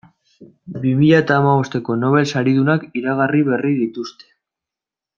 Bi mila eta hamabosteko Nobel saridunak iragarri berri dituzte.